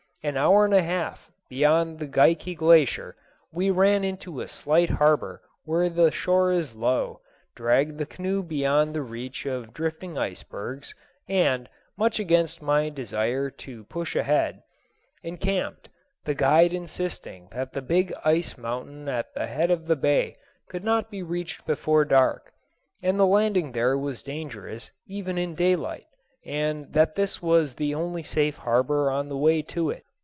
An hour and a half beyond the Geikie Glacier we ran into a slight harbor where the shore is low, dragged the canoe beyond the reach of drifting icebergs, and, much against my desire to push ahead, encamped, the guide insisting that the big ice mountain at the head of the bay could not be reached before dark, that the landing there was dangerous even in daylight, and that this was the only safe harbor on the way to it.